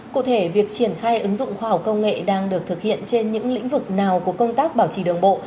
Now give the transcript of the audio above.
cụ thể việc triển khai ứng dụng khoa học công nghệ đang được thực hiện trên những lĩnh vực nào của công tác bảo trì đường bộ